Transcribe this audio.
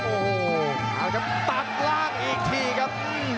โอ้โหเอาครับตัดล่างอีกทีครับ